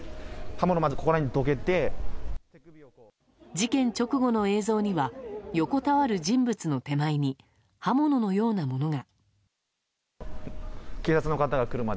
事件直後の映像には横たわる人物の手前に刃物のようなものが。